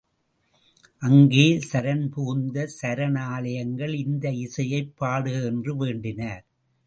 அங்கே சரண்புகுந்த சரணாலயங்கள் இந்த இசையைப் பாடுக என்று வேண்டினர்.